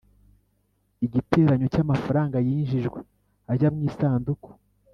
igiteranyo cy amafaranga yinjijwe ajya mu isanduku